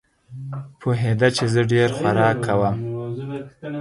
پوهېده چې زه ډېر خوراک کوم.